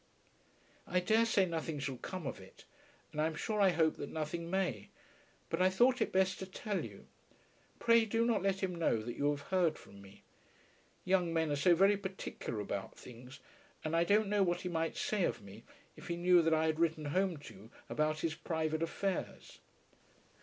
I daresay nothing shall come of it, and I'm sure I hope that nothing may. But I thought it best to tell you. Pray do not let him know that you have heard from me. Young men are so very particular about things, and I don't know what he might say of me if he knew that I had written home to you about his private affairs.